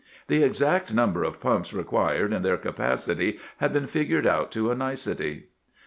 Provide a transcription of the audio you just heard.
The exact number of pumps required and their capacity had been figured out to a nicety.